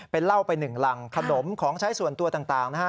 เป็นเหล้าไปหนึ่งรังขนมของใช้ส่วนตัวต่างนะฮะ